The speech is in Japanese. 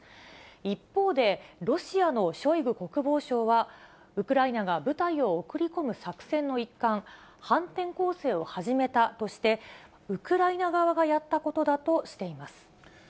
一方で、ロシアのショイグ国防相は、ウクライナが部隊を送り込む作戦の一環、反転攻勢を始めたとして、ウクライナ側がやったことだとしています。